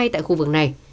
tại khu vực này